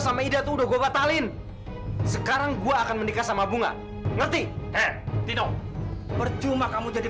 sama itu udah gua batalin sekarang gua akan menikah sama bunga ngerti hai tino percuma kamu jadi